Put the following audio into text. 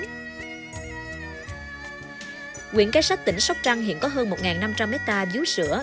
nguyện cái sách tỉnh sóc trăng hiện có hơn một năm trăm linh m hai vú sữa